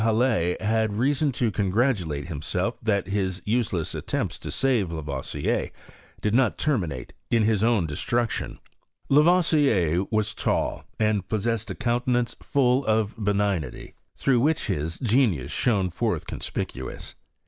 HalK ha/J reason to congratulate himself that his useleai attfsmpts V} save Lavoisier did not terminate in hit own destruction. l^voisier was tall, and possessed a countenance full of l>eni^nity, through which his genius shone forth conspicuous.